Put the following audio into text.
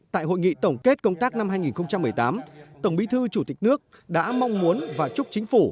tại hội nghị tổng kết công tác năm hai nghìn một mươi tám tổng bí thư chủ tịch nước đã mong muốn và chúc chính phủ